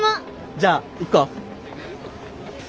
じゃあ行こう。